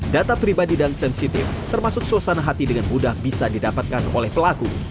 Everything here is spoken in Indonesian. data pribadi dan sensitif termasuk suasana hati dengan mudah bisa didapatkan oleh pelaku